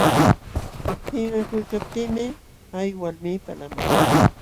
Pinqakuykaptiimi hay walmi palaqman.